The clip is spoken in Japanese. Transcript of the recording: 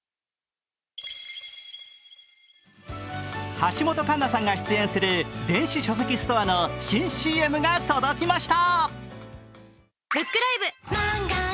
橋本環奈さんが出演する電子書籍ストアの新ＣＭが届きました。